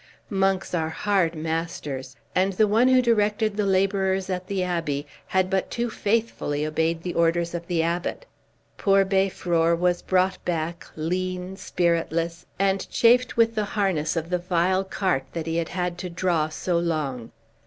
Monks are hard masters, and the one who directed the laborers at the abbey had but too faithfully obeyed the orders of the Abbot. Poor Beiffror was brought back, lean, spiritless, and chafed with the harness of the vile cart that he had had to draw so long.